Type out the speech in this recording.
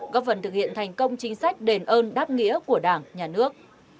góp phần thực hiện thành công chính sách đền ơn đáp nghĩa của đảng nhà nước